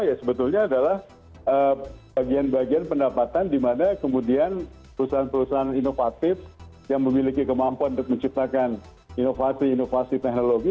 ya sebetulnya adalah bagian bagian pendapatan di mana kemudian perusahaan perusahaan inovatif yang memiliki kemampuan untuk menciptakan inovasi inovasi teknologi